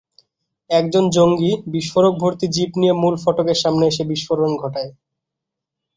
একজন জঙ্গি বিস্ফোরক-ভর্তি জিপ নিয়ে মূল ফটকের সামনে এসে বিস্ফোরণ ঘটায়।